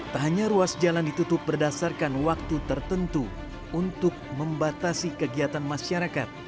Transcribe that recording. tak hanya ruas jalan ditutup berdasarkan waktu tertentu untuk membatasi kegiatan masyarakat